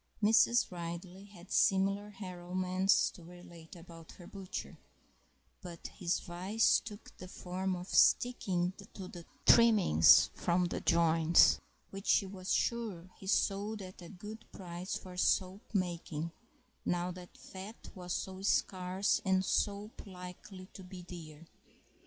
Mrs. Ridley had similar harrowments to relate about her butcher, but his vice took the form of sticking to the trimmings from the joints, which she was sure he sold at a good price for soap making, now that fat was so scarce and soap likely to be dear.